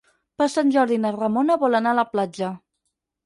Per Sant Jordi na Ramona vol anar a la platja.